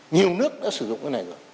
nhiều nước đã sử dụng cái này rồi